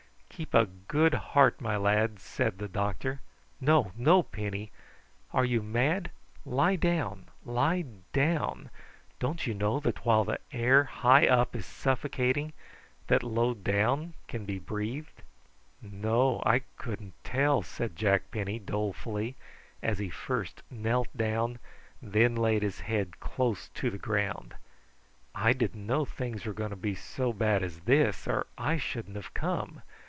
"Keep a good heart, my lads," said the doctor. "No, no, Penny! Are you mad? Lie down! lie down! Don't you know that while the air high up is suffocating, that low down can be breathed?" "No, I couldn't tell," said Jack Penny dolefully, as he first knelt down and then laid his head close to the ground. "I didn't know things were going to be so bad as this or I shouldn't have come.